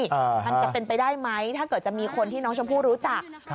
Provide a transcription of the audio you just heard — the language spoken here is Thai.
มันจะเป็นไปได้ไหมถ้าเกิดจะมีคนที่น้องชมพู่รู้จัก